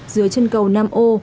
dưới chân cầu nam ô